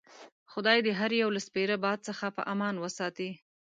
خدای دې هر یو له سپیره باد څخه په امان وساتي.